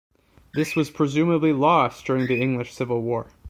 This was presumably lost during the English Civil War.